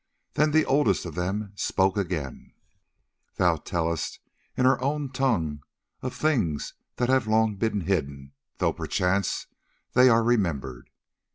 Then the oldest of them spoke again: "Thou tellest us in our own tongue of things that have long been hidden, though perchance they are remembered.